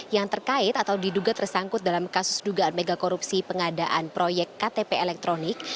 yang terkait atau diduga tersangkut dalam kasus dugaan megakorupsi pengadaan proyek ktp elektronik